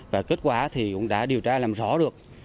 và kết quả thì cũng đã điều tra làm rõ được